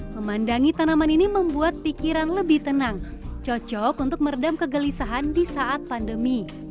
memandangi tanaman ini membuat pikiran lebih tenang cocok untuk meredam kegelisahan di saat pandemi